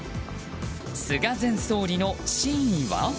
菅前総理の真意は？